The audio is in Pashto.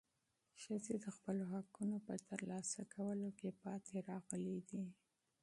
ښځې د خپلو حقوقو په ترلاسه کولو کې پاتې راغلې دي.